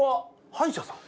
歯医者さん。